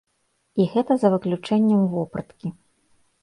І гэта за выключэннем вопраткі.